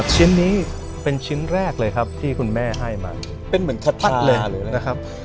ชิ้นนี้เป็นชิ้นแรกเลยครับที่คุณแม่ให้มาเป็นเหมือนกระทัดเลยนะครับ